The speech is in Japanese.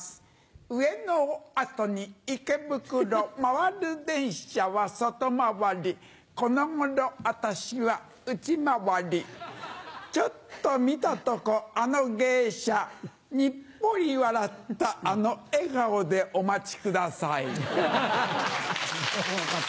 上野を後に池袋回る電車は外回りこの頃私は内回りちょっと見たとこあの芸者ニッポリ笑ったあの笑顔でお待ち下さい。